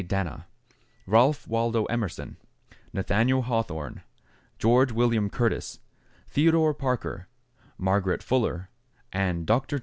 Dana, Ralph Waldo Emerson, Nathaniel Hawthorne, George William Curtis, Theodore Parker, Margaret Fuller, and Dr. Channing.